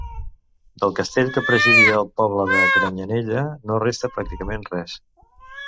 Del castell que presidia el poble de Granyanella no resta pràcticament res.